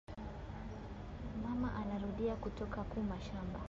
Mama anarudiya kutoka ku mashamba